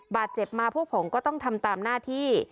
บาดเจ็บมาพวกผมก็ต้องทำตามหน้าที่